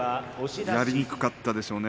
やりにくかったでしょうね。